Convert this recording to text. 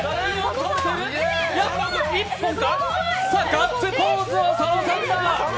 ガッツポーズは佐野さんだ。